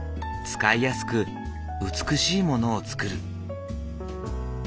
使いやすく美しいものを作る。